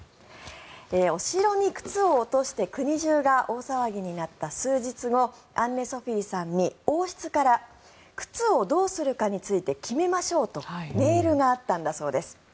お城に靴を落として国中が大騒ぎになった数日後アンネ・ソフィーさんに王室から靴をどうするかについて決めましょうとメールがあったんだそうです。